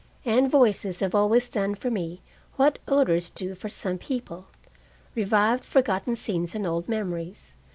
And voices have always done for me what odors do for some people, revived forgotten scenes and old memories.